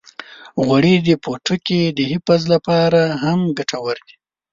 غوړې د پوټکي د حفظ لپاره هم ګټورې دي.